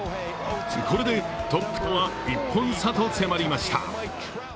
これでトップとは１本差と迫りました。